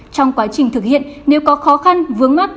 trong quá trình thực hiện nếu có khó khăn vướng mắt